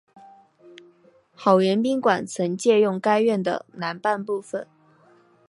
好园宾馆曾借用该院的南半部分。